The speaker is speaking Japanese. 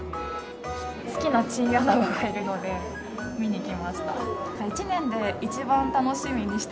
好きなチンアナゴがいるので、見に来ました。